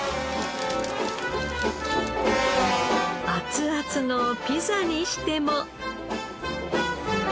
熱々のピザにしても。